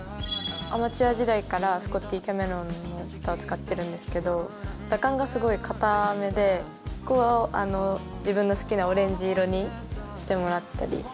アマチュア時代からスコッテイキャメロンのパターを使ってるんですけど打感がすごい硬めでここ自分の好きなオレンジ色にしてもらったり。